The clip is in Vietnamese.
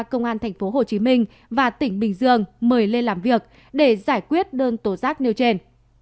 công an tp hcm và tỉnh bình dương mời lên làm việc để giải quyết đơn tố giác nêu trên